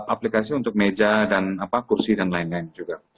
aplikasi untuk meja dan kursi dan lain lain juga